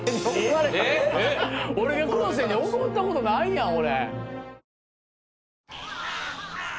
黒瀬に怒ったことないやん俺！